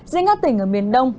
riêng các tỉnh ở miền đông